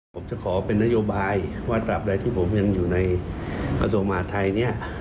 ผมจะขอเป็นนโยบายว่าตราบใดที่ผมยังอยู่ในประสงค์หมาธิไทยนี่